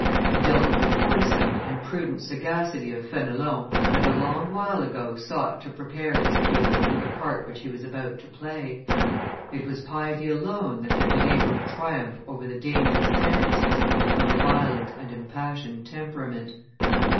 The delicate foresight and prudent sagacity of Fenelon had a long while ago sought to prepare his pupil for the part which he was about to play. It was piety alone that had been able to triumph over the dangerous tendencies of a violent and impassioned temperament.